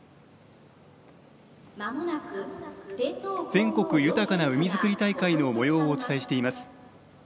「全国豊かな海づくり大会」のもようをお伝えしています。